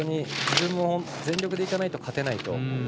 自分も全力でいかないと勝てない。